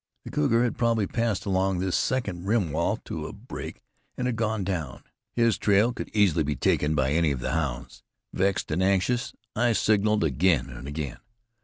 The cougar had probably passed along this second rim wall to a break, and had gone down. His trail could easily be taken by any of the hounds. Vexed and anxious, I signaled again and again.